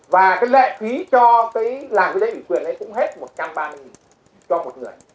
và cái lệ phí cho cái làm cái thủ tục quý quyền ấy cũng hết một trăm ba mươi cho một người